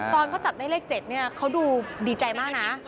ตอนเขาจับได้เลข๗เนี่ยเขาดูดีใจมากนะ